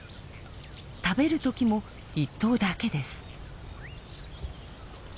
食べるときも１頭だけです。